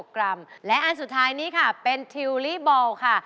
กรัมและอันสุดท้ายนี้ค่ะเป็นทิวลี่บอลค่ะ